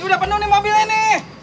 udah penuh nih mobil ini